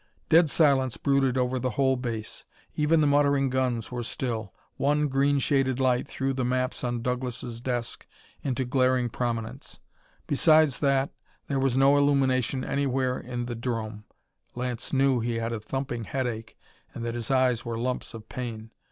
Dead silence brooded over the whole base. Even the muttering guns were still. One green shaded light threw the maps on Douglas' desk into glaring prominence; besides that, there was no illumination anywhere in the 'drome. Lance knew he had a thumping headache and that his eyes were lumps of pain.